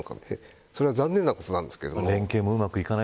それは残念なことなんですけれども。